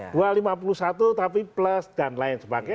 dua lima puluh satu tapi plus dan lain sebagainya